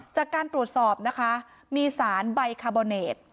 จากการตรวจสอบนะคะมีสารใบคาร์โบเนต